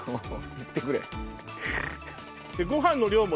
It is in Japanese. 行ってくれ。